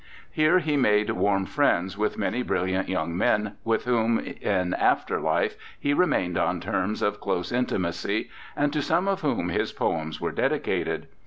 Here he made warm friends with many brilliant young men with whom in after life he remained on terms of close intimacy, and to some of whom his poems were dedi cated.